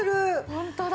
ホントだ。